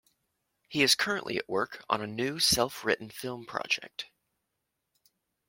He is currently at work on a new self-written film project.